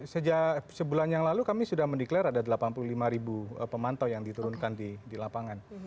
sejak sebulan yang lalu kami sudah mendeklarasi ada delapan puluh lima ribu pemantau yang diturunkan di lapangan